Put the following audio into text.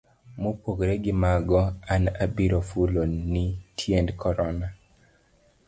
Mopogore gi mago, an abiro fulo ni tiend korona.